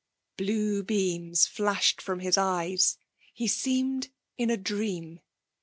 Blue beams flashed from his eyes; he seemed in a dream.